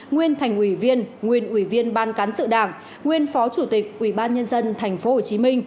nguyên thành ủy viên nguyên ủy viên ban cán sự đảng nguyên phó chủ tịch ủy ban nhân dân tp hcm